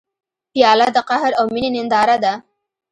پیاله د قهر او مینې ننداره ده.